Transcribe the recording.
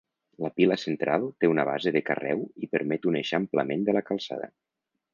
La pila central té una base de carreu i permet un eixamplament de la calçada.